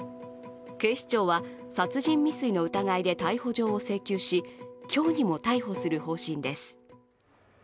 警視庁は殺人未遂の疑いで逮捕状を請求し、今日にも逮捕する方針です。